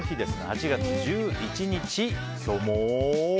８月１１日、今日も。